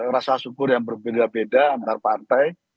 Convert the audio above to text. rasa syukur yang berbeda beda antar partai